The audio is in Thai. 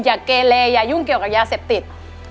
อย่าเกรราะอย่ายุ่งระยะเซ็พติธ